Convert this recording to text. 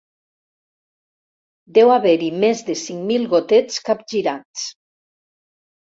Deu haver-hi més de cinc mil gotets capgirats.